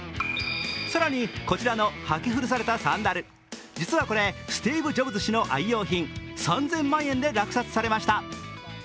更にこちらの履き古されたサンダル、実はこれ、スティーブ・ジョブズ氏の愛用品、３０００万円で落札されました。